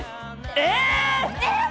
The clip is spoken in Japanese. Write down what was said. えっ！